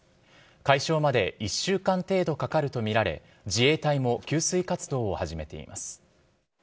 解消まで１週間程度かかると見られ、自衛隊も給水活動を始めています。